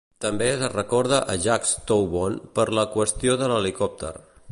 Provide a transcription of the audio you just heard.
També es recorda a Jacques Toubon per la "qüestió de l'helicòpter".